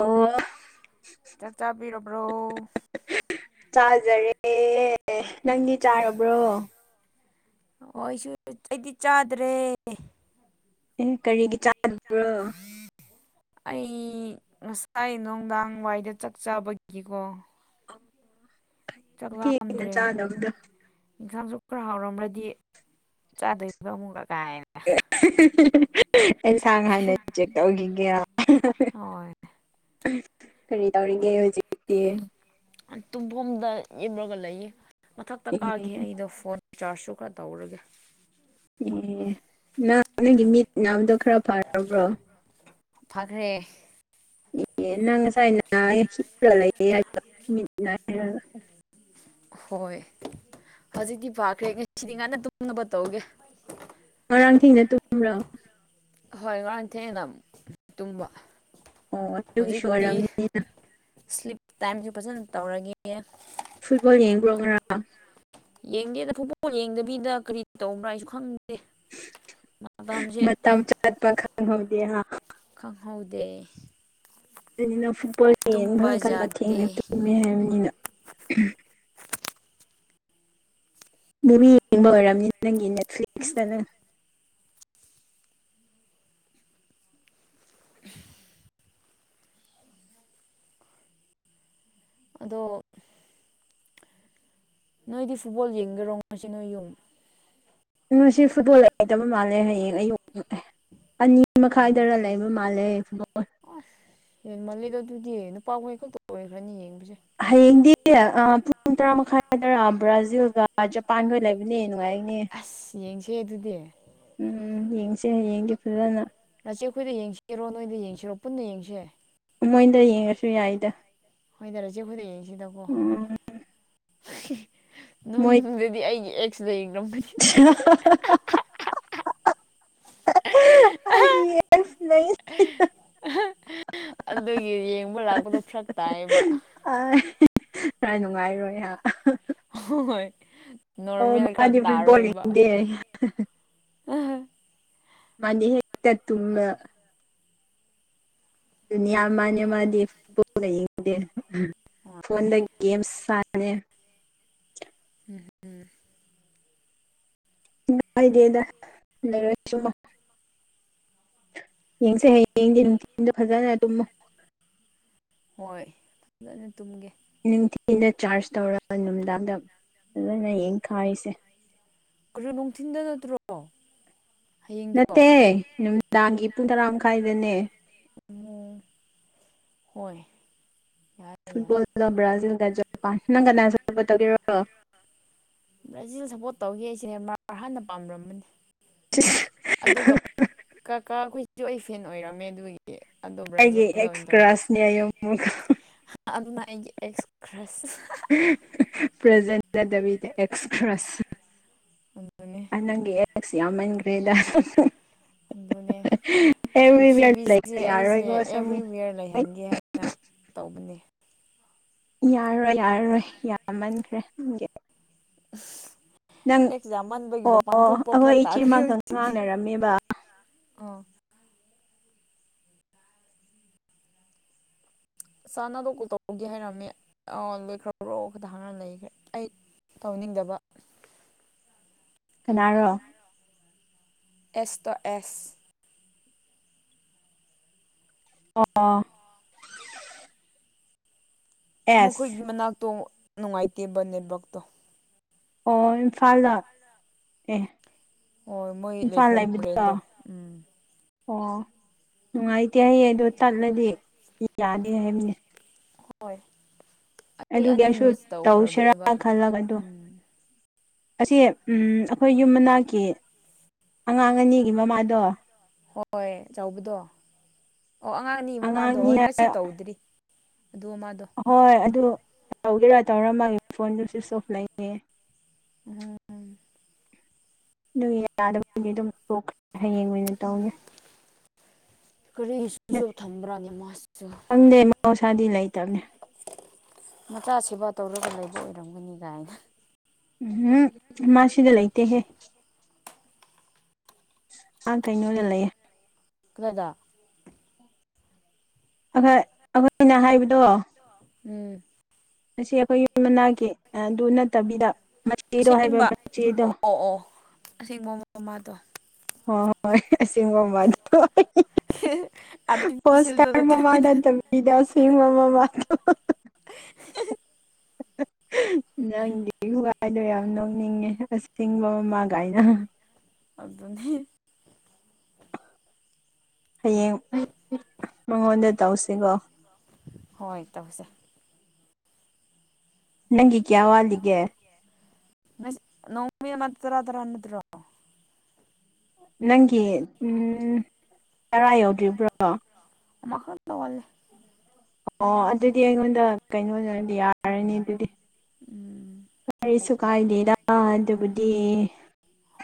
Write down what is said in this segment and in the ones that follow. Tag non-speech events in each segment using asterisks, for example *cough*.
ꯑꯣ ꯆꯥꯛ ꯆꯥꯕꯤꯔꯕ꯭ꯔꯣ ꯆꯥꯖꯔꯦ ꯅꯪꯗꯤ ꯆꯥꯔꯕ꯭ꯔꯣ ꯍ ꯑꯩꯁꯨ ꯑꯩꯗꯤ ꯆꯥꯗ꯭ꯔꯦ ꯀꯔꯤꯒꯤ ꯆꯥꯗꯕ꯭ꯔꯣ ꯑꯩ ꯉꯁꯥꯏ ꯅꯨꯡꯗꯥꯡ ꯋꯥꯏꯗ ꯆꯠꯆꯕꯒꯤꯀꯣ ꯊꯦꯡꯅ ꯆꯠꯂꯝꯝꯗ꯭ꯔꯦ ꯆꯥꯗꯕꯗꯣ ꯏꯟꯈꯥꯡꯁꯨ ꯈꯔ ꯍꯥꯎꯔꯝ꯭ꯔꯗꯤ ꯆꯥꯗꯣꯏꯕ ꯑꯃꯨꯛꯒ *unintelligible* ꯑꯩ ꯁꯥꯡ ꯍꯥꯟꯅ ꯆꯦꯛ ꯇꯧꯈꯤꯒꯦ ꯍꯣꯏ ꯀꯔꯤ ꯇꯧꯔꯤꯒꯦ ꯍꯧꯖꯤꯛꯇꯤ ꯇꯨꯝꯐꯝꯗ ꯌꯦꯞꯨꯔꯒ ꯂꯩꯌꯦ ꯃꯊꯛꯇ ꯀꯥꯈꯤ ꯑꯩꯗꯣ ꯐꯣꯟ ꯔꯤꯆꯥꯔꯖꯁꯨ ꯈꯔ ꯇꯧꯔꯒꯦ ꯑꯦ ꯅꯪ ꯅꯪꯒꯤ ꯃꯤꯠ ꯅꯥꯕꯗꯣ ꯈꯔ ꯐꯔꯕ꯭ꯔꯣ ꯐꯈ꯭ꯔꯦ ꯑꯦ ꯅꯪ ꯆꯥꯏꯅ ꯂꯩ ꯎ ꯍꯣꯏ ꯍꯧꯖꯤꯛꯇꯤ ꯄꯥꯈ꯭ꯔꯦ ꯉꯁꯤꯗꯤ ꯉꯟꯅ ꯇꯨꯝꯅꯕ ꯇꯧꯒꯦ ꯉꯔꯥꯡ ꯊꯦꯡꯅ ꯇꯨꯝꯕ꯭ꯔꯣ ꯍꯣꯏ ꯉꯔꯥꯡ ꯊꯦꯡꯅ ꯑꯃꯨꯛ ꯇꯨꯝꯕ ꯑꯣ ꯑꯗꯨꯒꯤꯁꯨ ꯍꯧꯖꯤꯛꯇꯤ ꯑꯣꯏꯔꯝꯅꯤꯅ ꯁ꯭ꯂꯤꯞ ꯇꯥꯏꯝꯁꯨ ꯐꯖꯅ ꯇꯧꯔꯒꯦ ꯐꯨꯠꯕꯣꯜ ꯌꯦꯡꯉ꯭ꯔꯣ꯭ꯔꯥ ꯌꯦꯡꯗꯦꯗ ꯐꯨꯠꯕꯣꯜ ꯌꯦꯡꯗꯕꯤꯗ ꯀꯔꯤ ꯇꯧꯕ꯭ꯔꯥ ꯍꯥꯏꯁꯨ ꯈꯪ ꯃ ꯆꯥꯠ ꯄ ꯈ *unintelligible* ꯈꯪꯍꯧꯗꯦ ꯑꯗꯨꯅ ꯐꯨꯠꯕꯣꯜ ꯌꯦꯡ ꯈ ꯇꯨꯝꯕ ꯃꯈꯟꯕ ꯌꯥꯗꯦ ꯊꯦꯡꯅ ꯇꯨꯝꯃꯦ ꯍꯥꯏꯕꯅꯤꯅ ꯃꯨꯚꯤ ꯌꯦꯡꯕ ꯑꯣꯏꯔꯝꯅꯤ ꯅꯪꯒꯤ ꯅꯦꯠꯐ꯭ꯂꯤꯛꯁꯇ ꯅꯪ *unintelligible* ꯑꯗꯣ ꯅꯣꯏꯗꯤ ꯐꯨꯠꯕꯣꯜ ꯌꯦꯡꯒꯦꯔꯣ ꯉꯁꯤ ꯅꯣꯏ ꯌꯨꯝ ꯉꯁꯤ ꯐꯨꯠꯕꯣꯜ ꯑꯥꯏꯇ ꯃꯥꯜꯂꯦ ꯍꯌꯦꯡ ꯑꯌꯨꯛ ꯑꯅꯤ ꯑꯣ ꯃꯈꯥꯏꯗꯔ ꯂꯩꯕ ꯃꯥꯜꯂꯦ ꯐꯨꯠꯕꯣꯜ ꯌꯦꯟ ꯃꯥꯜꯂꯤꯗꯣ ꯑꯗꯨꯗꯤ ꯅꯨꯄꯥ ꯀ ꯍ ꯈꯛꯇ ꯑꯣꯏꯈ꯭ꯔꯅꯤ ꯌꯦ ꯍꯌꯦꯡꯗꯤ ꯄꯨꯡ ꯇꯔꯥ ꯃꯈꯥꯏꯗꯔꯑ ꯕ꯭ꯔꯥꯖꯤꯜꯒ ꯖꯄꯥꯟꯒ ꯂꯩꯕꯅꯦ ꯅꯨꯡꯉꯥꯏꯅꯦ ꯑꯁ ꯌꯦꯡꯁꯦ ꯑꯗꯨꯗꯤ ꯎꯝ ꯌꯦꯡꯁꯦ ꯍꯌꯦꯡꯒꯤ ꯐꯖꯅ ꯏꯆꯦ ꯑꯩꯈꯣꯏꯗ ꯌꯦꯡꯁꯤꯔꯣ ꯅꯣꯏꯗ ꯌꯦꯡꯁꯤꯔꯣ ꯄꯨꯟꯅ ꯌꯦꯡꯁꯤ ꯃꯣꯏꯗ ꯌꯦꯡꯉꯁꯨ ꯌꯥꯏꯗ ꯍꯣꯏꯊꯔꯁꯦ ꯈꯨꯗꯛꯁꯤꯗꯀꯣ ꯎꯝ ꯅꯣꯡ ꯌꯃꯗꯗꯤ ꯑꯩꯒꯤ ꯑꯦꯛꯁꯤꯗꯡ *unintelligible* ꯌꯦ *unintelligible* ꯑꯗꯨꯒꯤ ꯌꯦꯡꯕ ꯂꯥꯛꯄꯗꯣ ꯐꯔꯛ ꯇꯥꯏꯌꯦꯕ ꯈꯔꯥꯏ ꯅꯨꯡꯉꯥꯏꯔꯣꯏ ꯍ ꯍꯣꯏ ꯑꯣ ꯅꯣꯔꯃꯦꯜ ꯈꯔ ꯃꯥꯗꯤ ꯇꯥꯔꯣꯏꯕ ꯐꯕꯣꯂꯤꯗ ꯃꯅꯤꯦꯛꯇ ꯇꯨꯝ ꯑꯗꯨꯅꯤ ꯌꯥꯝ ꯃꯥꯥꯟꯅꯤ ꯃꯥꯗꯤ ꯐꯨꯠꯕꯣꯜꯗ ꯌꯦꯡꯗꯦ ꯍꯣꯏ ꯐꯣꯟꯗ ꯒꯦꯝꯁ ꯒꯦꯝ ꯁꯅ ꯑꯅꯤ ꯁꯥ *unintelligible* ꯅꯨꯡꯉꯥꯏꯗꯦꯗ ꯀꯥꯏꯗꯦꯗ ꯂꯩꯔꯣꯏꯁꯨ ꯌꯦꯡꯁꯦ ꯍꯌꯦꯡꯗꯤ ꯅꯨꯡꯊꯤꯟꯗ ꯐꯖꯅ ꯑꯗꯨꯝ ꯍꯣꯏ ꯐꯖꯅ ꯇꯨꯡꯒꯦ ꯅꯤꯡꯊꯤꯅ ꯆꯥꯔꯖ ꯇꯧꯔꯒ ꯅꯨꯡꯗꯥꯡꯗ ꯐꯖꯅ ꯌꯦꯡꯈꯥꯏꯔꯤꯁꯦ ꯀꯩꯅꯣ ꯅꯨꯡꯊꯤꯟꯗ ꯅꯠꯇ꯭ꯔꯣ ꯍꯌꯦꯡꯗꯣ ꯅꯠꯇꯦ ꯑꯦ ꯅꯨꯃꯤꯗꯥꯡꯒꯤ ꯄꯨꯡ ꯇꯔꯥ ꯃꯈꯥꯏꯗꯅꯦ ꯑꯣ ꯍꯣꯏ ꯌꯥꯏ ꯌꯥꯏ ꯐꯨꯠꯕꯣꯜꯗ ꯕ꯭ꯔꯥꯖꯤꯜꯗ ꯖꯄꯥꯟ ꯅꯪ ꯀ ꯅꯄꯔ ꯭ꯔꯥꯖꯜ ꯁꯄ ꯁꯤꯅꯦꯃꯥ ꯍꯥꯟꯅ ꯄꯥꯝꯂꯝꯝꯕꯅꯤ *unintelligible* ꯀꯥ ꯑꯩꯈꯣꯏꯁꯨ ꯑꯩ ꯐꯦꯟ ꯑꯣꯏꯔꯝꯃꯦ ꯑꯗꯨꯒꯤ ꯑꯗꯣ ꯑꯩꯒꯤ ꯕ꯭ꯔꯥꯖꯤꯜꯗ ꯑꯣꯏꯅ ꯇꯧꯒꯦ ꯑꯦꯛꯁꯀ꯭ꯔꯥꯁꯅꯦ ꯌꯃꯨꯒ ꯑꯗꯨꯅ ꯑꯩꯒꯤ ꯑꯦꯛꯁꯀ꯭ꯔꯦꯁ ꯄ꯭ꯔꯦꯖꯦꯟꯗꯕꯤ ꯑꯦꯛꯁ꯭ꯔꯁ ꯑꯗꯨꯅꯦ ꯅꯪꯒꯤ ꯑꯦꯛꯁ ꯌꯥꯝꯃꯟꯈ꯭ꯔꯦꯗ ꯑꯗꯨꯅꯦ ꯑꯦꯕ꯭ꯔꯤꯋꯤꯌꯔ ꯄ꯭ꯔꯤꯊꯤꯕꯤꯁꯤꯁꯦ ꯂꯩꯕ ꯑꯩꯁꯦ ꯌꯥꯔꯣꯏꯀꯣ ꯁꯨꯝ ꯑꯦꯕ꯭ꯔꯤ ꯋꯤꯌꯔ ꯂꯩꯍꯟꯒꯦ ꯍꯥꯏꯅ ꯇꯧꯕꯅꯦ ꯌꯥꯔꯣꯏ ꯌꯥꯔꯔꯣꯏ ꯌꯥꯝꯃꯟꯈ꯭ꯔꯦ ꯑ *unintelligible* ꯅꯪ ꯑꯣ ꯑꯣ ꯐꯔꯛ ꯑꯩꯈꯣꯏ ꯇꯥꯈ꯭ꯔꯦ ꯏꯆꯦꯃꯈꯛ ꯉꯥꯡꯅꯔꯝꯃꯤꯕ ꯑꯣ ꯆꯥꯅꯗꯣꯛꯄ ꯇꯧꯕꯒꯦ ꯍꯥꯏꯔꯝꯃꯦ ꯑ ꯂꯣꯏꯈ꯭ꯔꯕ꯭ꯔꯣ ꯈꯤꯇ ꯍꯥꯟꯅ ꯂꯩꯈ꯭ꯔꯦ ꯑꯩ ꯇꯧꯅꯤꯡꯗꯕ ꯀꯅꯥꯔꯣ ꯑꯦꯁꯇꯣ ꯑꯦꯁ ꯑ ꯑꯦꯁ ꯃꯈꯣꯏꯒꯤ ꯃꯅꯥꯛꯇꯣ ꯅꯨꯡꯉꯥꯏꯇꯦꯕ ꯅꯦꯠꯋꯥꯛꯛꯇꯣ ꯑꯣ ꯏꯝꯐꯥꯜꯗ ꯑꯦ ꯍꯣꯏ ꯃꯣꯏ ꯏꯝꯐꯥꯜ ꯂꯩꯐꯝ ꯂꯩꯕꯗꯣ ꯃꯣꯔꯦꯟꯗꯣ ꯎꯝ ꯑꯣ ꯅꯨꯡꯉꯥꯏꯇꯦ ꯍꯌꯦꯡ ꯑꯗꯣ ꯇꯠꯂꯗꯤ ꯌꯥꯅꯤ ꯍꯥꯏꯕꯅꯤ ꯍꯣꯏ ꯑꯩ ꯑꯗꯨꯒꯤ ꯑꯅꯤ ꯑꯩꯁꯨ ꯃꯤꯁ ꯇꯧꯁꯤꯔꯥ ꯇꯧꯈ꯭ꯔꯕꯅꯦꯕ ꯈꯜꯂꯒ ꯑꯗꯣ ꯎꯝ ꯑꯁꯤ ꯑꯩꯈꯣꯏ ꯌꯨꯝ ꯃꯅꯥꯛꯀꯤ ꯑꯉꯥꯡ ꯑꯅꯤꯒꯤ ꯃꯃꯥꯗꯣ ꯍꯣꯏ ꯆꯥꯎꯕꯗꯣ ꯑꯣ ꯑꯉꯥꯡ ꯑꯅꯤ ꯃꯃꯥꯗꯣ ꯑꯉꯥꯡꯅꯤ ꯍꯣꯏ ꯉꯁꯤ ꯇꯧꯗ꯭ꯔꯤ ꯑꯗꯨ ꯃꯃꯥꯗꯣ ꯍꯣꯏ ꯑꯗꯨ ꯇꯧꯒꯦꯔꯥ ꯇꯧꯔꯝꯃꯒꯦ ꯐꯣꯟꯗꯨꯣ ꯁ꯭ꯋꯤꯁ ꯑꯣꯐ ꯂꯩꯉꯦ ꯎꯝ ꯑꯗꯨ ꯌꯥꯗꯕꯒꯤ ꯑꯗꯨꯝꯈ꯭ꯔ ꯍꯌꯦꯡ ꯑꯣꯏꯅ ꯇꯧꯒꯦ ꯀꯔꯤ ꯁꯁꯨ ꯊꯝꯕ꯭ꯔꯅꯦ ꯃꯥꯁꯤꯁꯨ ꯈꯪꯗꯦ ꯃꯍꯧꯁꯥꯗꯤ ꯂꯩꯇꯕꯅꯦ ꯃꯆꯥ ꯁꯦꯕꯥ ꯇꯧꯔꯒ ꯂꯩꯕ ꯑꯣꯏꯔꯝꯒꯅꯤ ꯀꯥꯏꯅ ꯎꯝ ꯃꯥ ꯁꯤꯗ ꯂꯩꯇꯦꯍꯦ ꯑ ꯀꯩꯅꯩꯅꯣ ꯂꯩ ꯂꯩꯌꯦꯦ ꯀꯗꯥ ꯑꯩꯈꯣꯏꯅ ꯍꯥꯏꯕꯗꯣ ꯎꯝ ꯉ ꯑꯩꯈꯣꯏ ꯌꯨꯝ ꯃꯅꯥꯛꯀꯤ ꯑꯗꯨ ꯅꯠꯇꯕꯤꯗ ꯃꯆꯦꯗꯣ ꯍꯥꯏꯕ ꯃꯆꯦꯗꯣ ꯑꯁꯦꯡꯕꯃ ꯃꯃꯥꯗꯣ ꯍꯣꯏ ꯍꯣꯏ ꯑꯁꯤꯦꯡꯒꯨꯝꯕꯗ ꯐꯁ ꯇꯥ ꯑꯥꯔꯇꯤꯐꯤꯁꯦꯜꯗꯣ ꯅꯠꯇꯕꯤꯗ ꯃꯃꯗꯗ ꯁꯤ ꯃꯃꯃꯗ ꯑ *unintelligible* ꯅꯪꯗꯤ ꯍꯒꯥꯏꯗꯣ ꯌꯥꯝ ꯅꯣꯛꯅꯤꯡꯉꯦ ꯑꯁꯦꯡꯕ ꯃꯃꯥꯡꯒꯥꯏꯅ ꯑꯗꯨꯅꯤ ꯍꯌꯦꯡ ꯃꯉꯣꯟꯗ ꯇꯧꯁꯤꯀꯣ ꯍꯣꯏ ꯇꯁꯦ ꯅꯪꯤ ꯀꯌꯥꯋꯥꯂꯤꯒꯦ ꯅꯣꯡꯃ ꯃ ꯇꯔꯥ ꯇꯔꯥꯅꯠꯇ꯭ꯔꯣ ꯅꯪꯒꯤ ꯎ ꯇꯔꯥ ꯌꯧꯗ꯭ꯔꯤꯕ꯭ꯔꯣ ꯃꯈ ꯃꯈꯜꯗ ꯋꯥꯜ ꯑꯣ ꯑꯗꯨꯗꯤ ꯑꯩꯉꯣꯟꯗ ꯀꯩꯅꯣꯗꯗꯤ ꯌꯥꯔꯅꯤ ꯑꯗꯨꯗꯤ ꯎꯝ ꯀꯔꯤꯁꯨ ꯀꯥꯏꯗꯦꯔ ꯑꯗꯨꯕꯨꯗꯤ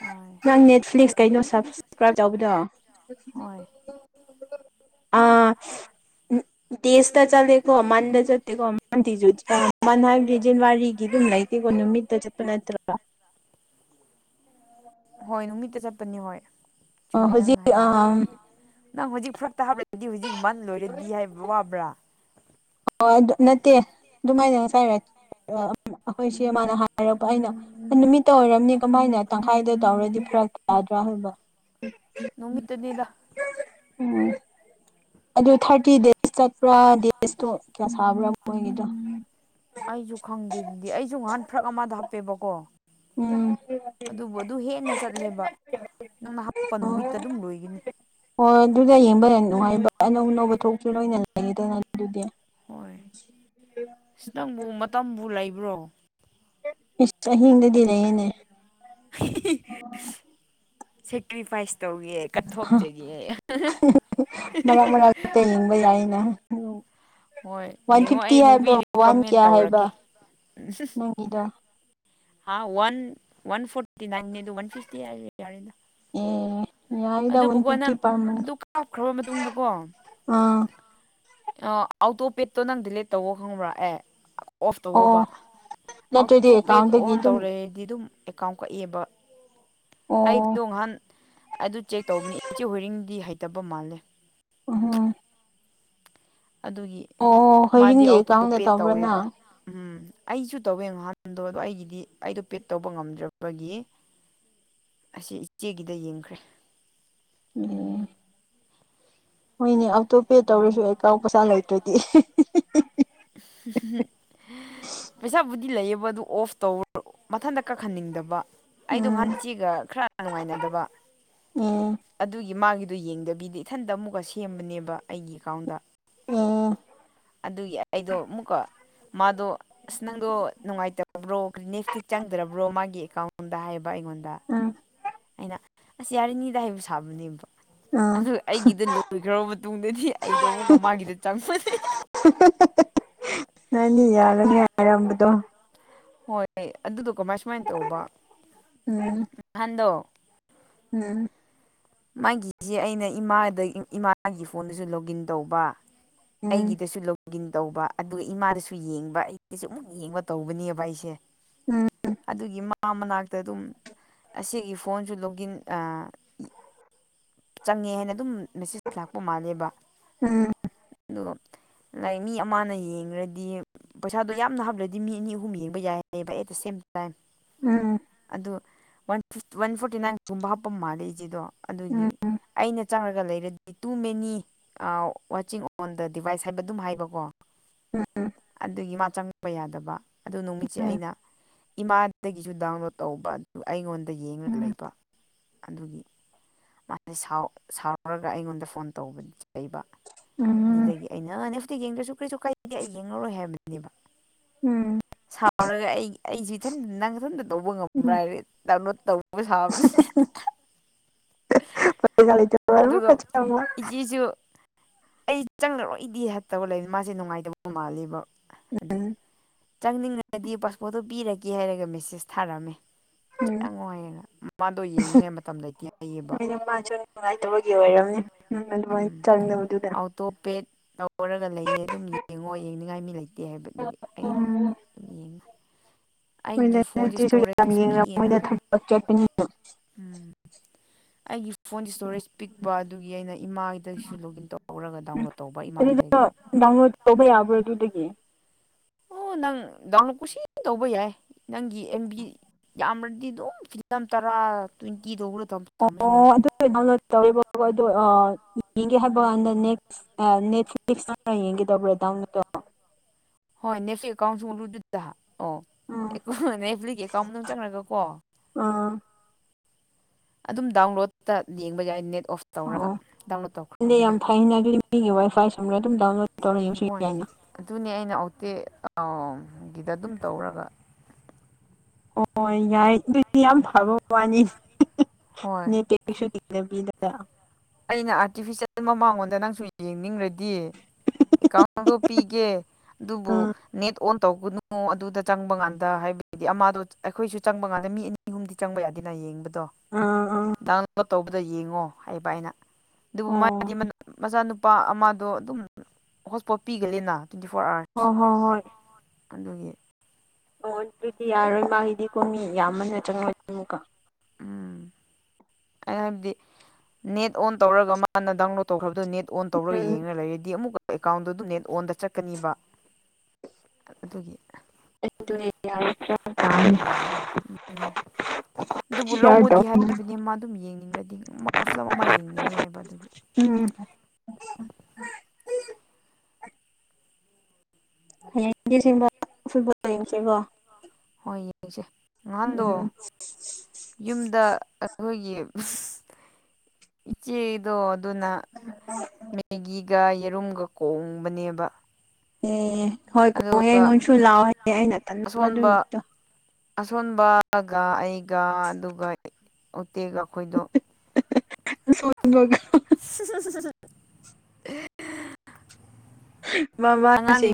ꯍꯣꯏ ꯅꯪ ꯅꯦꯠꯐ꯭ꯂꯤꯛꯁ ꯀꯩꯅꯣ ꯁꯕꯁꯀ꯭ꯔꯥꯏꯞ ꯇꯧꯕꯗꯣ ꯍꯣꯏ ꯑ ꯎ ꯇꯦꯁꯇ ꯆꯂꯀ ꯆꯠꯂꯦꯀꯣ ꯃꯗ ꯃꯟꯗ ꯆꯇꯦꯀ ꯆꯠꯇꯦꯀꯣ ꯃꯗꯤꯤꯁꯨꯨꯠ ꯅꯪꯗꯤ ꯃꯅ ꯍꯥꯏꯏꯖꯖꯤꯅꯋꯥꯔꯤ ꯈꯤꯗ ꯐꯦꯖꯤꯟꯋꯥꯔꯤꯒꯤ ꯂꯥꯏꯛ ꯅꯨꯃꯤꯠꯇ ꯆꯄꯅꯠꯇ꯭ꯔ ꯍꯣꯏ ꯅꯨꯃꯤꯠꯇ ꯆꯠꯄꯅꯤ ꯍꯣꯏ ꯑ ꯆꯨꯝꯃꯦ ꯍꯧꯖꯤꯛ ꯅꯪꯅ ꯑ ꯍꯥꯏꯕꯗꯣ ꯅꯪ ꯍꯧꯖꯤꯛ ꯐꯔꯛꯇ ꯍꯥꯞꯂꯒꯗꯤ ꯍꯧꯖꯤꯛ ꯃꯟ ꯂꯣꯏꯔꯗꯤ ꯍꯥꯏꯕ ꯋꯥꯕ꯭ꯔꯥ ꯑꯣ ꯑꯗꯨ ꯅꯠꯇꯦ ꯑꯗꯨꯃꯥꯏꯅ ꯉꯁꯥꯏꯔ ꯑꯩꯈꯣꯏꯁꯦ ꯃꯥꯅ ꯍꯥꯏꯔꯛꯄ ꯑꯩꯅ ꯅꯨꯃꯤꯠꯇ ꯑꯣꯏꯔꯝꯅꯤ ꯀꯃꯥꯏꯅ ꯇꯪꯈꯥꯏꯗ ꯇꯧꯔꯗꯤ ꯄꯨꯔꯛ ꯐꯥꯗ꯭ꯔꯥ ꯍꯥꯏꯕ ꯑꯣ ꯅꯨꯃꯤꯠꯇꯅꯤꯗ ꯑꯗꯨ ꯊꯥꯔꯇꯤ ꯗꯦꯖ ꯆꯠꯄ꯭ꯔꯥ ꯗꯦꯖꯇꯣ ꯀꯌꯥ ꯁꯥꯕ꯭ꯔꯥ ꯃꯣꯏꯒꯤꯗꯣ ꯑꯩꯁꯨ ꯈꯪꯗꯦ ꯑꯗꯨꯗꯤ ꯑꯩꯁꯨ ꯉꯍꯥꯟ ꯐꯔꯛ ꯑꯃꯗ ꯍꯥꯞꯄꯦꯕꯀꯣ ꯎꯝ ꯑꯗꯨꯕꯨ ꯑꯗꯨ ꯍꯦꯟꯅ ꯆꯠꯂꯦꯕ ꯅꯪꯅ ꯍꯥꯞꯄ ꯑꯣ ꯅꯨꯃꯤꯠꯇ ꯑꯗꯨꯝ ꯂꯣꯏꯒꯅꯤ ꯍꯣꯏ ꯑꯗꯨꯗ ꯌꯦꯡꯕ ꯍ ꯌꯥꯝ ꯅꯨꯡꯉꯥꯏꯕ ꯑꯅꯧ ꯑꯅꯧꯕ ꯊꯣꯛꯁꯨ ꯂꯣꯏꯅ ꯂꯩꯌꯦꯗꯅ ꯑꯗꯨꯗꯤ ꯍꯣꯏ *unintelligible* ꯭ꯔꯣꯝ ꯇ ꯍꯗꯗꯤꯅꯦ ꯏꯅꯦ ꯁꯦꯛꯇꯔꯤ ꯄꯥꯏꯁ ꯇꯧꯒꯦ ꯀꯠꯊꯣꯛꯆꯒꯦ ꯃꯔꯛ ꯃꯔꯛꯇ ꯌꯦꯡꯕ ꯌꯥꯏꯅ ꯍꯣꯏ ꯋꯥꯟ ꯌꯦꯡꯉꯣ ꯐꯤꯐꯇꯤ ꯑꯩ ꯃꯨꯚꯤ ꯍꯥꯏꯕ꯭ꯔꯣ ꯋꯥꯟ ꯔꯤꯀꯃꯦꯟ ꯀꯌꯥ ꯍꯥꯏꯕ ꯇꯧꯔꯛꯀꯦ ꯅꯪꯒꯤꯗꯣ ꯑ ꯋꯥꯟ ꯋꯥꯟꯐꯣꯔꯇꯤꯅꯥꯏꯟꯅꯤ ꯑꯗꯨ ꯋꯥꯟ ꯐꯤꯐꯇꯤ ꯍꯥꯏꯔꯗꯤ ꯌꯥꯔꯦꯗꯥ ꯑꯦ ꯌꯥꯏꯗ ꯋꯥꯟ ꯑꯗꯨꯕꯨꯀꯣ ꯐꯤꯐꯇꯤ ꯅꯪ ꯄꯔ ꯃꯟ ꯑꯗꯨ ꯀꯥꯞꯈ꯭ꯔꯕ ꯃꯇꯨꯡꯗꯀꯣ ꯑ ꯑꯥ ꯑꯥꯎꯇꯣ ꯄꯦꯠꯇꯣ ꯅꯪ ꯗꯤꯂꯦꯠ ꯇꯧꯑꯣ ꯈꯪꯕ꯭ꯔꯥ ꯑꯦ ꯑꯣꯐ ꯇꯧꯋꯣꯕ ꯑꯣ ꯅꯠꯇ꯭ꯔꯗꯤ ꯑꯧꯇꯣꯄꯦꯠ ꯑꯦꯀꯥꯎꯟꯗꯒꯤ ꯑꯣꯟ ꯑꯗꯨꯝ ꯇꯧꯔꯦꯗꯤ ꯑꯗꯨꯝ ꯑꯦꯀꯥꯎꯟ ꯀꯛꯏꯕ ꯑꯣ ꯑꯩꯗꯣ ꯉꯍꯥꯟ ꯑꯗꯨ ꯆꯦꯛ ꯇꯧꯕꯅꯤ ꯏꯆꯦ ꯍꯣꯏꯔꯤꯡꯗꯤ ꯍꯩꯇꯕ ꯃꯥꯜꯂꯦ ꯑꯣ ꯑꯗꯨꯒꯤ ꯃꯥꯗꯤ ꯍꯣꯏꯔꯤꯡꯒꯤ ꯑꯣꯇꯣ ꯑꯦꯀꯥꯎꯟꯗ ꯄꯦ ꯇꯧꯕ꯭ꯔꯥ ꯇꯧꯋꯦꯕ ꯅꯪ ꯎꯝ ꯑꯩꯁꯨ ꯇꯧꯋꯦ ꯉꯍꯥꯟꯗꯣ ꯑꯗꯣ ꯑꯩꯒꯤꯗꯤ ꯑꯩꯗꯣ ꯄꯦꯗ ꯇꯧꯕ ꯉꯝꯗ꯭ꯔꯕꯒꯤ ꯑꯁꯤ ꯏꯆꯦꯒꯤꯗ ꯌꯦꯡꯈ꯭ꯔꯦ *unintelligible* ꯍꯣꯏꯅꯦ ꯑꯣꯇꯣꯄꯦ ꯇꯧꯔꯁꯨ ꯑꯦꯀꯥꯎꯟ ꯄꯩꯁꯥ ꯂꯩꯇ꯭ꯔꯗꯤ *unintelligible* ꯄꯩꯁꯥꯕꯨꯗꯤ ꯂꯩꯌꯦꯕ ꯑꯗꯨ ꯑꯣꯐ ꯇꯧ ꯃꯊꯟꯇ ꯀꯛꯍꯟꯅꯤꯡꯗꯕ ꯑꯩꯗꯣ ꯅꯍꯥꯟ ꯎꯝ ꯏꯆꯦꯒ ꯈꯔ ꯅꯨꯡꯉꯥꯏꯅꯗꯕ ꯎꯝ ꯑꯗꯨꯒꯤ ꯃꯥꯒꯤ ꯑꯗꯨ ꯌꯦꯡꯗꯕꯤꯗ ꯏꯊꯟꯇ ꯑꯃꯨꯛꯀ ꯁꯦꯝꯕꯅꯦꯕ ꯑꯩꯒꯤ ꯑꯦꯀꯥꯎꯟꯗ ꯑꯥ ꯑꯗꯨꯒꯤ ꯑꯩꯗꯣ ꯑꯃꯨꯛꯀ ꯃꯥꯗꯣ ꯑꯁ ꯅꯪꯗꯣ ꯅꯨꯡꯉꯥꯏꯇꯕ꯭ꯔꯣ *unintelligible* ꯇꯤ ꯆꯪꯗ꯭ꯔꯕ꯭ꯔꯣ ꯃꯥꯒꯤ ꯑꯦꯀꯥꯎꯟꯗ ꯍꯥꯏꯕ ꯕ ꯑꯩꯉꯣꯟꯗ ꯎꯝ ꯑꯩꯅ ꯑꯁ ꯌꯥꯔꯤꯅꯤꯗ ꯍꯥꯏꯕꯨ ꯁꯥꯕꯅꯦꯕ ꯎꯝ ꯑꯗꯨ ꯑꯩꯒꯤꯗ ꯂꯣꯏꯈ꯭ꯔꯕ ꯃꯇꯨꯡꯗꯗꯤ ꯑꯩꯗꯣ ꯑꯃꯨꯛꯀ ꯃꯥꯒꯤꯗ ꯆꯪꯕꯅꯦ ꯅꯪꯗꯤ ꯌꯥꯔꯅꯤ ꯍꯥꯏꯔꯝꯕꯗꯣ ꯍꯣꯏ ꯑꯗꯨꯗꯣ ꯀꯃꯥꯏ ꯁꯨꯃꯥꯏ ꯇꯧꯕ ꯎꯝ ꯅꯍꯥꯟꯗꯣ *unintelligible* ꯃꯥꯒꯤꯁꯦ ꯑꯩꯅ ꯏꯃꯥꯗ ꯏꯃꯥꯒꯤ ꯐꯣꯟꯗꯁꯨ ꯂꯣꯒꯤꯟ ꯇꯧꯕ ꯎꯝ ꯑꯩꯒꯤꯗꯁꯨ ꯂꯣ ꯒꯤꯟ ꯇꯧꯕ ꯑꯗꯨꯒ ꯏꯃꯥꯗꯁꯨ ꯌꯦꯡꯕ ꯑꯩꯗꯁꯨ ꯑꯃꯨꯛ ꯌꯦꯡꯕ ꯇꯧꯕꯅꯦꯕ ꯑꯩꯁꯦ ꯎꯝ ꯑꯗꯨꯒꯤ ꯃꯥ ꯃꯥ ꯃꯅꯥꯛꯇ ꯑꯗꯨꯝ ꯑꯁꯤꯒꯤ ꯐꯣꯟꯁꯨ ꯂꯣꯛꯒꯤꯟ ꯑ ꯆꯪꯉꯦ ꯍꯥꯏꯅ ꯑꯗꯨꯝ ꯃꯦꯁꯦꯖ ꯂꯥꯛꯄ ꯃꯥꯜꯂꯦꯕ ꯎꯝ ꯑꯗꯨꯒ ꯂꯩ ꯃꯤ ꯑꯃꯅ ꯌꯦꯡꯒꯔ꯭ ꯗꯤ ꯄꯩꯁꯥꯗꯣ ꯌꯥꯝꯅ ꯍꯥꯞꯂꯗꯤ ꯃꯤ ꯑꯅꯤ ꯑꯍꯨꯝ ꯌꯦꯡꯕ ꯌꯥꯏ ꯍꯥꯌꯦꯕ ꯑꯦꯠ ꯗ ꯁꯦꯝ ꯇꯥꯏꯝ ꯎꯝ ꯑꯗꯨ ꯋꯥꯟ ꯋꯥꯟ ꯐꯣꯔꯇꯤ ꯅꯥꯏꯟꯒꯨꯝꯕ ꯍꯥꯞꯄ ꯃꯥꯜꯂꯦ ꯏꯆꯦꯗꯣ ꯑꯗꯨꯒꯤ ꯑꯩꯅ ꯆꯪꯔꯒ ꯂꯩꯔ ꯇꯨ ꯃꯦꯅꯤ ꯑ ꯋꯥꯠꯆꯤꯡ ꯑꯣꯟ ꯗ ꯗꯤꯚꯥꯏꯁ ꯍꯥꯏꯕ ꯑꯗꯨꯝ ꯍꯥꯏꯕꯀꯣ ꯑꯗꯨꯒꯤ ꯃꯥ ꯆꯪꯕ ꯌꯥꯗꯕ ꯑꯗꯨ ꯅꯨꯃꯤꯠꯁꯦ ꯑꯩꯅ ꯏꯃꯥꯗꯒꯤꯁꯨ ꯗꯥꯎꯟꯂꯣꯗ ꯇꯧꯕ ꯑꯗꯨ ꯑꯩꯉꯣꯟꯗ ꯌꯦꯡꯉ ꯂꯩꯕ ꯑꯗꯨꯒꯤ ꯃꯥ ꯁꯥꯎ ꯁꯥꯎꯔꯒ ꯑꯩꯉꯣꯟꯗ ꯐꯣꯟ ꯇꯧꯕꯅꯤ ꯆꯩꯕ ꯎꯝ ꯗꯨꯗꯒꯤ ꯑꯩꯅꯦ ꯅꯦꯠꯐ꯭ꯂꯤꯛꯁ ꯌꯦꯡꯗ꯭ꯔꯁꯨ ꯀꯔꯤꯁꯨ ꯀꯥꯏꯗꯦ ꯑꯩ ꯌꯦꯡꯉꯔꯣꯏ ꯍꯥꯏꯕꯅꯦꯕ ꯎꯝ ꯇꯔꯒ ꯑꯩ ꯑꯩꯁꯨ ꯏꯊꯟ ꯅꯪ ꯏꯊꯟꯇ ꯇꯧꯕ ꯉꯝꯕ꯭ꯔꯥ ꯍꯥꯏꯔ ꯗꯥꯎꯟꯂꯣꯗ ꯇꯧ ꯕ ꯁꯥꯥꯕꯅꯦ ꯑꯗꯨꯒ ꯏꯆꯦꯁꯨ ꯑꯩ ꯆꯪꯂꯛ *unintelligible* ꯃꯥꯁꯦ ꯅꯨꯡꯉꯥꯏꯇꯕ ꯃꯥꯜꯂꯦꯕ ꯆꯪꯅꯤꯡꯉꯗꯤ ꯄꯥꯁꯄꯣꯔꯠꯇꯣ ꯄꯤꯔꯒꯦ ꯍꯥꯏꯔꯒ ꯃꯦꯁꯦꯁ ꯊꯥꯔꯝꯃꯦ ꯆ ꯌꯥꯝ ꯅꯨꯡꯉꯥꯏꯌꯦꯅ ꯃꯃꯥꯗꯣ ꯌꯦꯡꯅꯤꯉꯩ ꯃꯇꯝ ꯂꯩꯇꯦ ꯍꯥꯏꯌꯦꯕ ꯅꯣꯏꯅ ꯃꯥꯁꯨ ꯅꯨꯡꯉꯥꯏꯇꯕꯒꯤ ꯑꯣꯏꯔꯝꯅꯤ ꯑꯗꯨꯃꯥꯏꯅ ꯎꯝ ꯆꯪꯗꯕꯗꯨꯗ ꯑꯣꯥꯎꯇꯣꯄꯦꯗ ꯇꯧꯔꯒ ꯂꯩꯌꯦ ꯑꯗꯨꯝ ꯌꯦꯡꯉꯣ ꯌꯦꯡꯅꯤꯡꯉꯥꯏ ꯃꯤ ꯂꯩꯇꯦ ꯍꯥꯏꯕꯗꯨꯒꯤ ꯑꯩ ꯎꯝ ꯌꯦꯡꯉ ꯃꯣꯏ ꯑꯩꯒꯤ ꯐꯣꯟꯁꯦ ꯅꯠꯇꯁꯨ ꯌꯥꯝ ꯏꯁꯇꯣꯔꯦꯖ ꯌꯦꯡꯅ ꯄꯤꯛꯑꯦꯅ ꯃꯣꯏꯗ ꯊꯗꯛ ꯆꯠꯄꯅꯤꯗ ꯎꯝ ꯑꯩꯒꯤ ꯐꯣꯟꯒꯤ ꯏꯁꯇꯣꯔꯦꯖ ꯄꯤꯛꯄ ꯑꯗꯨꯒꯤ ꯑꯩꯅ ꯏꯃꯥꯒꯤꯗꯒꯤꯁꯨ ꯂꯣꯒꯏꯟ ꯇꯧꯔꯒ ꯗꯥꯎꯟꯂꯣꯗ ꯇꯧꯕ ꯏꯃꯥꯗꯒꯤ ꯗꯥꯎꯟꯔꯣꯠ ꯇꯧ ꯕꯔ꯭ꯗꯨꯗꯒꯤ ꯑꯣ ꯅꯪ ꯗꯥꯎꯟꯂꯣꯗ ꯀꯨꯁꯤ ꯇꯧꯕ ꯌꯥꯏ ꯅꯪꯒꯤ ꯑꯦꯝ ꯕꯤ ꯌꯥꯝꯔꯗꯤ ꯑꯗꯨꯝ ꯐꯤꯂꯝ ꯇꯔꯥ ꯇ꯭ꯋꯦꯟꯇꯤ ꯗꯧꯔ ꯑꯣ ꯑꯗꯨ ꯇꯧꯔꯤꯕꯡꯒ *unintelligible* ꯅꯦꯛꯁ ꯅꯦꯠ ꯐꯤꯛꯁꯌꯦꯡꯒꯦ ꯇꯣ꯭ꯔꯦꯗꯥꯠꯇꯣ *unintelligible* ꯍꯣꯏ ꯅꯦꯐꯤ ꯑꯦꯀꯥꯎꯟꯁꯨ ꯂꯨꯗꯇ *unintelligible* ꯑꯣ ꯎꯝ ꯑꯦꯀꯨ ꯑꯦ꯭ꯂꯤꯀꯥꯎ ꯃꯥꯅꯨꯡ ꯆꯡꯔꯒ ꯀꯣ ꯑꯥ ꯑꯗꯨꯝ ꯗꯥꯎꯟꯂꯣꯗꯠꯇ ꯌꯦꯡꯕ ꯌꯥꯏ ꯅꯦꯠ ꯑꯣꯐ ꯇꯧꯔꯒ ꯗꯥꯎꯟꯂꯣꯗ ꯑꯣ ꯇꯧꯈ꯭ꯔꯕꯗꯣ ꯌꯥꯝ ꯐꯩꯅ ꯑꯗꯨꯗꯤ ꯃꯤꯒꯤ ꯋꯥꯏ ꯐꯥꯏ ꯁꯨꯝꯝꯔ ꯑꯗꯨꯝ ꯗꯥꯎꯟꯂꯣ ꯍꯣꯏ ꯑꯗꯨꯅꯦ ꯑꯩꯅ ꯑꯣꯛꯇꯤ ꯒꯤꯗ ꯑꯗꯨꯝ ꯇꯧꯔꯒ ꯍꯣꯏ ꯌꯥꯏ ꯑꯗꯨꯗꯤ ꯌꯥꯝ ꯐꯕ ꯋꯥꯅꯤ ꯍꯣꯏ ꯅꯦꯠꯇꯩꯁꯨ ꯇꯤꯡꯗꯕꯤꯗ ꯑꯩꯅ ꯑꯥꯔꯇꯤꯐꯤꯁꯦꯜ ꯃꯃꯥꯡꯉꯣꯟꯗ ꯅꯪꯁꯨ ꯌꯦꯡꯅꯤꯡꯔ ꯗꯤ ꯑꯦꯀꯥꯎꯟꯗꯣ ꯄꯤꯒꯦ ꯑꯗꯨꯕꯨ ꯎꯝ ꯅꯦꯠ ꯑꯣꯟ ꯇꯧꯒꯅꯨ ꯑꯗꯨꯗ ꯆꯪꯕ ꯉꯥꯟꯗ ꯍꯥꯏꯕꯗꯤ ꯑꯃꯗꯣ ꯑꯩꯈꯣꯏꯁꯨ ꯆꯪꯕ ꯀꯥꯟꯗ ꯃꯤ ꯑꯅꯤ ꯑꯍꯨꯝꯗꯤ ꯆꯪꯕ ꯌꯥꯗꯦꯅ ꯌꯦꯡꯕ ꯇꯤ ꯑꯥ ꯑꯥ ꯗꯥꯎꯟꯂꯣꯗ ꯇꯧꯕꯗ ꯌꯦꯡꯉꯣ ꯍꯩꯕꯥ ꯑꯩꯅ ꯑꯗꯨꯕꯨ ꯑꯣ ꯃꯥꯗꯤ ꯃ ꯃꯆꯥꯅꯨꯄꯥ ꯑꯃꯗꯣ ꯑꯗꯨꯝ ꯍꯣꯁꯄꯣꯠ ꯄꯤꯒꯜꯂꯤꯅ ꯇ꯭ꯋꯦꯟꯇꯤ ꯐꯣꯔ ꯍꯣꯏ ꯑꯥꯋꯥꯔꯁ ꯍꯣꯏ ꯍꯣꯏ ꯑꯗꯨꯒꯤ ꯑꯣ ꯑꯗꯨꯗꯤ ꯌꯥꯔꯔꯣꯏ ꯃꯥꯒꯤꯗꯤ ꯀꯣꯡꯉ ꯌꯥꯝꯃꯟꯅ ꯆꯪꯉꯅꯤ ꯑꯃꯨꯛꯀ ꯑꯩ ꯍꯥꯏꯕꯗꯤ ꯅꯦꯠ ꯑꯣꯟ ꯇꯧꯔꯒ ꯃꯥꯅ ꯗꯥꯎꯟꯂꯣꯗ ꯇꯧꯈ꯭ꯔꯕ ꯅꯦꯠ ꯑꯣꯟ ꯇꯧꯔꯒ ꯎꯝ ꯌꯦꯡꯔ ꯂꯩꯔꯦꯗꯤ ꯑꯃꯨꯛ ꯀ ꯑꯦꯀꯥꯎꯟꯗꯨ ꯑꯗꯨ ꯅꯦꯠ ꯑꯣꯟꯗ ꯆꯠꯀꯅꯤꯕ ꯑꯗꯨꯒꯤ *unintelligible* ꯎꯝ *unintelligible* ꯑꯗꯨꯕꯨ ꯂꯧꯑꯣꯗꯤ ꯇꯧ ꯍꯥꯏꯕꯅꯤ ꯃꯥ ꯑꯗꯨꯝ ꯌꯦꯡꯅꯤꯡꯉꯗꯤ ꯃꯥ ꯐꯂꯝ ꯑꯃ ꯌꯦꯡꯅꯤꯡꯉ ꯍꯥꯏꯕ ꯑꯗꯨꯒꯤ ꯎꯝ ꯍꯌꯦꯡ ꯏꯟꯗꯤꯌꯥ ꯁꯤꯕ ꯐꯨꯠꯕꯣꯜ ꯌꯦꯡꯁꯦꯀꯣ ꯍꯣꯏ ꯌꯦꯡꯁꯦ ꯅꯍꯥꯟꯗꯣ ꯎꯝ ꯌꯨꯝꯗ ꯑꯩꯈꯣꯏꯒꯤ ꯏꯆꯦꯗꯣ ꯑꯗꯨꯅ ꯃꯦꯒꯤ ꯒ ꯌꯦꯔꯨꯝꯒ ꯀꯣꯡꯕꯅꯦꯕ ꯑꯦ ꯍꯣꯏ ꯀꯣꯡꯉ ꯑꯗꯨꯒ ꯑꯩꯉꯣꯟꯁꯨ ꯂꯥꯛꯑꯣꯍꯦ ꯑꯩꯅ ꯑꯁꯣꯟꯕ ꯇꯟꯅꯕꯗꯨꯗꯣ ꯑꯁꯣꯟꯕꯒ ꯑꯩꯒ ꯑꯗꯨꯒ ꯇꯦꯛꯒ ꯑꯩꯈꯣꯏꯗꯣ ꯁꯣꯕꯒ ꯑꯦ ꯃꯥꯃꯁ